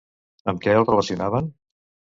Amb què el relacionaven?